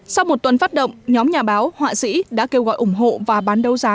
sau một tuần phát động nhóm nhà báo họa sĩ đã kêu gọi ủng hộ và bán đấu giá